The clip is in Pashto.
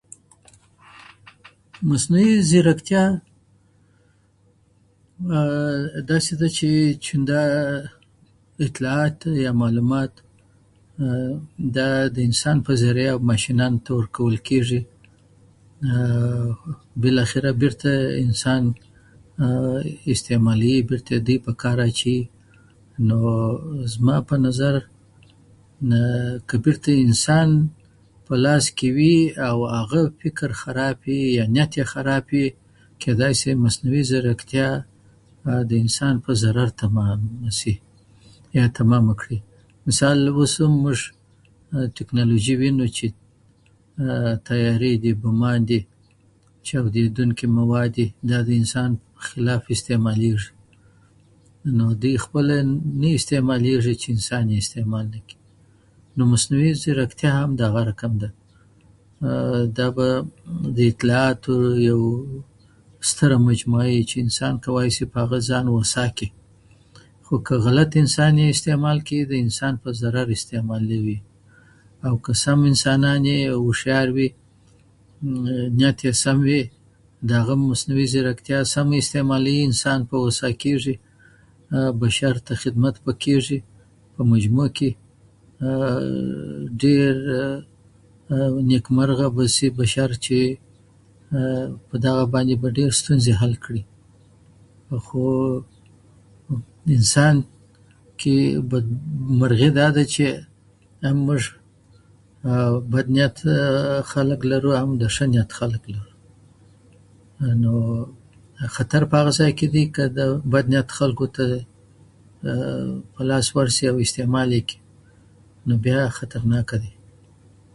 مصنوعي ځیرکتیا داسې ده چې دا اطلاعات یا معلومات دا د انسان په ذریعه ماشینانو ته ورکول کېږي، بالاخره بېرته انسان استعمالوي، بېرته دوی په کار اچوي. نو زما په نظر که بېرته انسان په لاس کې وي او هغه فکر خراب وي یا نیت یې خراب وي، کېدای شي مصنوعي ځیرکتیا د انسان په ضرر تمامه شي یا تمامه کړي. مثال اوس هم موږ ټکنالوژي وینو چې طیارې دي، بمونه دي، چاودېدونکي مواد، دا د انسان خلاف استعمالېږي. نو دې خپله نه استعمالېږي چې انسان یې استعمال نه کړي. نو مصنوعي ځیرکتیا هم همدا رقم ده. دا به د اطلاعاتو یوه ستره مجموعه وي چې انسان کولای شي په هغه ځان هوسا کړي، خو که غلط انسان یې استعمال کړي، نو انسان په ضرر استعمالېږي. نو که سم انسانان وي او هوښیار وي، نو نیت یې سم وي، نو د هغه مصنوعي ځیرکتیا سمه استعمالوي، نو انسان په هوسا کېږي، بشر ته خدمت پرې کېږي. په مجموع کې ډېر نیکمرغه به شي بشر چې په دغه باندې به ډېرې ستونزې حل کړي. خو انسان کې بدمرغي دا ده چې موږ بد نیت خلک لرو، او هم د ښه نیت خلک لرو. نو خطر په هغه ځای کې دی، که د بد نیت خلکو ته په لاس ورشي او استعمال یې کړي، نو بیا خطرناکه دی.